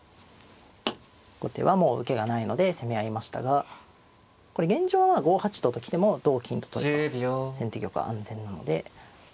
後手はもう受けがないので攻め合いましたがこれ現状は５八とと来ても同金と取れば先手玉安全なので。